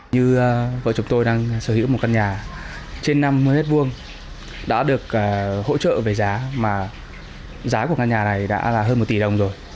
như vợ chúng tôi đang sở hữu một căn nhà trên năm mươi m hai đã được hỗ trợ về giá mà giá của căn nhà này đã là hơn một tỷ đồng rồi